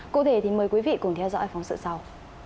cụ thể thì mời quý vị cùng theo dõi phóng sự sau